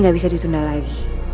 ini gak bisa ditunda lagi